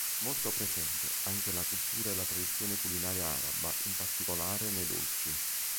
Molto presente anche la cultura e la tradizione culinaria araba, in particolare nei dolci.